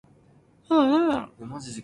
多多益善